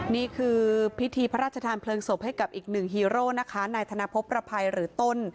นี่คือพิธีพระราชทานเพลิงศพให้กับอีกหนึ่งฮีโร่นะคะนายธนพบประภัยหรือต้น